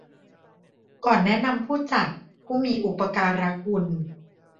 ก่อนแนะนำผู้จัดผู้มีอุปการคุณ